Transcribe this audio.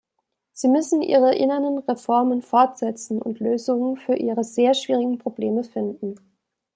Sie müssen ihre inneren Reformen fortsetzen und Lösungen für ihre sehr schwierigen Probleme finden.